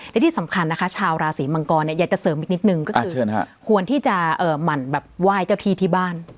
และที่สำคัญนะคะชาวราศีมังกรเนี่ยอยากจะเสริมอีกนิดนึงก็คือควรที่จะหมั่นแบบไหว้เจ้าที่ที่บ้าน